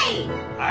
はい。